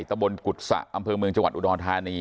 ตะบนกุศะอำเภอเมืองจังหวัดอุดรธานี